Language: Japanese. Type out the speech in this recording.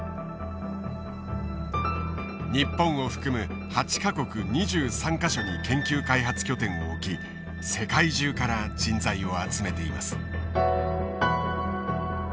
日本を含む８か国２３か所に研究開発拠点を置き世界中から人材を集めています。